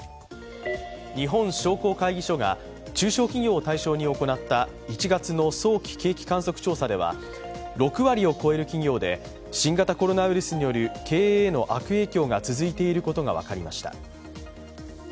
日本商工会議所が中小企業を対象に行った１月の早期景気観測調査では６割を超える企業で新型コロナウイルスによる経営への悪影響が続いていることが分かりました。